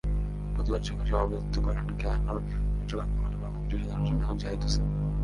প্রতিবাদ সভায় সভাপতিত্ব করেন খেলাঘর চট্টগ্রাম মহানগর কমিটির সাধারণ সম্পাদক জাহিদ হোসেন।